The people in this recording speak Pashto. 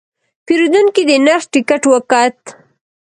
پیرودونکی د نرخ ټکټ وکت.